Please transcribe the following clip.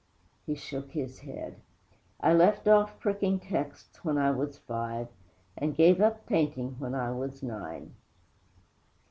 He shook his head. 'I left off pricking texts when I was five, and gave up painting when I was nine.'